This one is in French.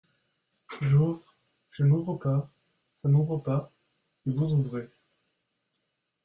J’ouvre, je n’ouvre pas, ça n’ouvre pas, et vous ouvrez.